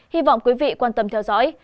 hy vọng quý vị quan tâm theo dõi